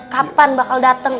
kapan bakal datang